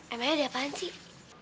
emangnya ada apaan sih